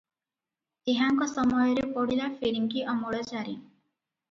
ଏହାଙ୍କ ସମୟରେ ପଡ଼ିଲା ଫିରିଙ୍ଗୀ ଅମଳ ଜାରି ।